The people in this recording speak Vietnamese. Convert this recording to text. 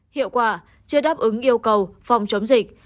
hiệu quả chưa đáp ứng yêu cầu phòng chống dịch